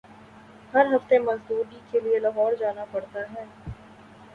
ہر ہفتے مزدوری کیلئے لاہور جانا پڑتا ہے۔